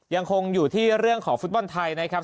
ยังคงอยู่ที่เรื่องของฟุตบอลไทยนะครับ